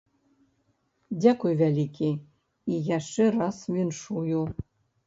Дзякуй вялікі і яшчэ раз віншую!